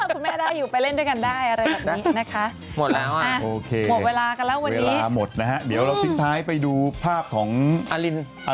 คุณแม่ได้อยู่ไปเล่นด้วยกันได้อะไรแบบนี้นะคะ